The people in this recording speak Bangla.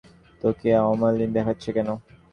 তোকে অমলিন দেখাচ্ছে কেন?